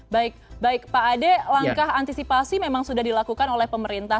baik baik pak ade langkah antisipasi memang sudah dilakukan oleh pemerintah